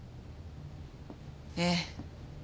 ええ。